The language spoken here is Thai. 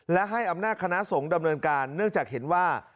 และให้อำนาจคณะสงฆ์ดำเนินการเนื่องจากเห็นว่า